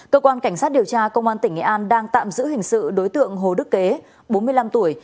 cơ quan cảnh sát điều tra công an tỉnh nghệ an đang tạm giữ hình sự đối tượng hồ đức kế bốn mươi năm tuổi